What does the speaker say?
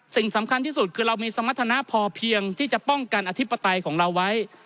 สิ่งสำคัญที่สุดคือเรามีสมรรถนะพอเพียงที่จะป้องกันอธิปไตยของเราไว้